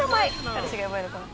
彼氏がやばいのかな？